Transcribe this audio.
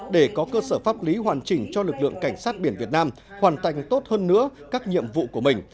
để có cơ sở pháp lý hoàn chỉnh cho lực lượng cảnh sát biển việt nam hoàn thành tốt hơn nữa các nhiệm vụ của mình